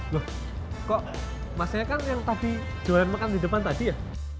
loh kok masanya kan yang tadi jualan makan di depan tadi ya